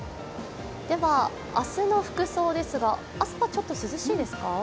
明日の服装ですが、朝はちょっと涼しいですか？